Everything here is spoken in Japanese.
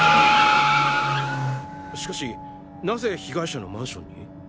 しかしなぜ被害者のマンションに？